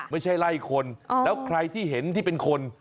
ไม่ใช่ไล่คนแล้วใครที่เห็นที่เป็นคน